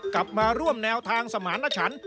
กลับมาร่วมแนวทางสมารณชัน